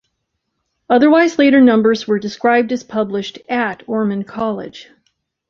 Otherwise later numbers were described as published 'at' Ormond College.